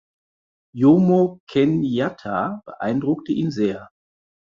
Jomo Kenyatta beeindruckte ihn sehr.